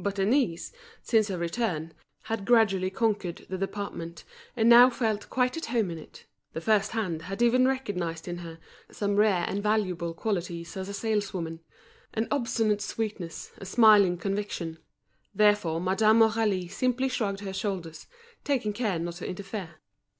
But Denise, since her return, had gradually conquered the department, and now felt quite at home in it; the first hand had even recognised in her some rare and valuable qualities as a saleswoman—an obstinate sweetness, a smiling conviction. Therefore Madame Aurélie simply shrugged her shoulders, taking care not to interfere.